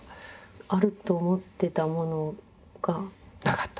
あると思ってたものが。なかった。